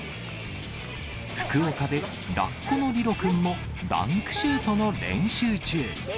福岡でラッコのリロくんもダンクシュートの練習中。